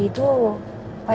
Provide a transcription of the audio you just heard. nih nanti aku mau minum